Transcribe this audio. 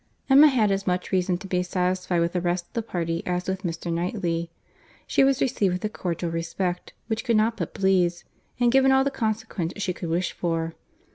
Emma had as much reason to be satisfied with the rest of the party as with Mr. Knightley. She was received with a cordial respect which could not but please, and given all the consequence she could wish for.